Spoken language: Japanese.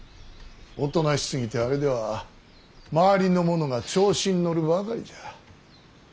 おとなしすぎてあれでは周りの者が調子に乗るばかりじゃ。